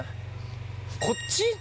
こっち？